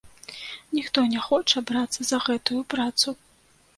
Ніхто не хоча брацца за гэтую працу.